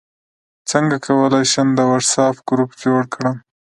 څنګه کولی شم د واټساپ ګروپ جوړ کړم